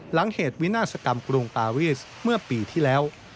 หลังเหตุวินาศกรรมปีที่แล้ว